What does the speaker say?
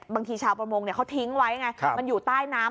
ชาวประมงเขาทิ้งไว้ไงมันอยู่ใต้น้ำ